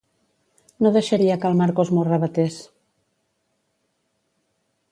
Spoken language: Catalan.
No deixaria que el Marcos m'ho arravatés.